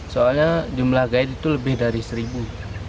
soalnya jumlah guide itu lebih dari seribu